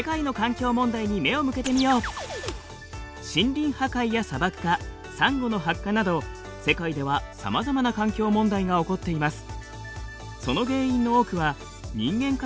森林破壊や砂漠化サンゴの白化など世界ではさまざまな環境問題が起こっています。